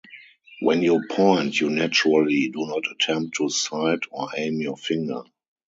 When you point, you naturally do not attempt to sight or aim your finger.